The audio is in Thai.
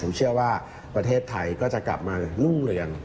ผมเชื่อว่าประเทศไทยก็จะกลับมารุ่งเรือง